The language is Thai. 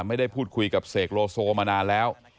ไม่ได้พูดคุยกับเสกโลโซมานานแล้ว